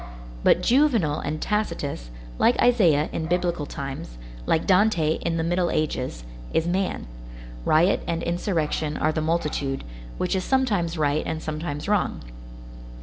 But Juvenal and Tacitus, like Isaiah in Biblical times, like Dante in the Middle Ages, is man; riot and insurrection are the multitude, which is sometimes right and sometimes wrong.